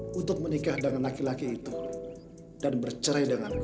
biar bodoh untuk menikah dengan laki laki itu dan bercerai denganku